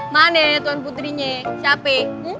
mana tuan putrinya siapa